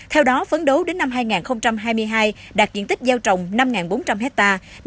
theo đó phấn đấu đến năm hai nghìn hai mươi hai đạt diện tích gieo trồng năm bốn trăm linh hectare